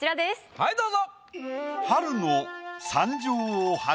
はいどうぞ。